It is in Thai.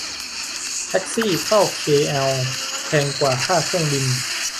แท็กซี่เข้าเคแอลแพงกว่าค่าเครื่องบิน